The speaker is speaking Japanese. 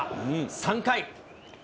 ３回。